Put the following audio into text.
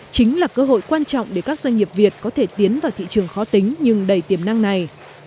chính là cơ hội quan trọng để các doanh nghiệp việt có thể tiến vào thị trường khó tính nhưng đầy tiềm năng này